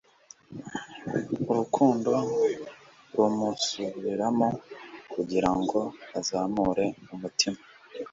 Urukundo rumusubiramo kugirango azamure umutima